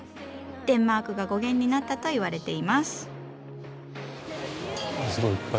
デンマークが語源になったと言われています。